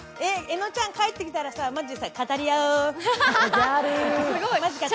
えのちゃん、帰ってきたらマジさ語り合おう。